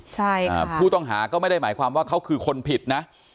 ใช่ค่ะผู้ต้องหาก็ไม่ได้หมายความว่าเขาคือคนผิดนะ